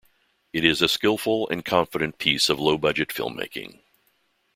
It is a skilful and confident piece of low budget filmmaking.